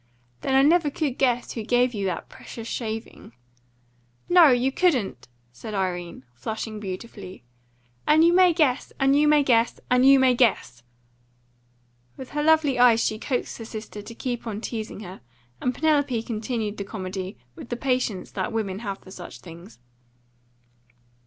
"Then I never could guess who gave you that precious shaving." "No, you couldn't!" said Irene, flushing beautifully. "And you may guess, and you may guess, and you may guess!" With her lovely eyes she coaxed her sister to keep on teasing her, and Penelope continued the comedy with the patience that women have for such things.